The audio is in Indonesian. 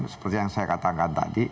seperti yang saya katakan tadi